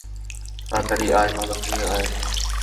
তাড়াতাড়ি আয়, মাদক নিয়ে আয়!